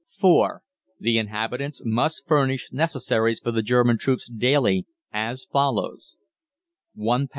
(4) THE INHABITANTS MUST FURNISH necessaries for the German troops daily as follows: 1 lb.